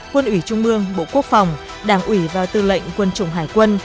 quân ủy trung mương bộ quốc phòng đảng ủy và tư lệnh quân chủng hải quân